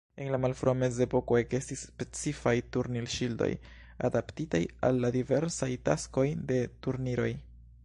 En la malfrua mezepoko ekestis specifaj turnir-ŝildoj, adaptitaj al la diversaj taskoj de turniroj.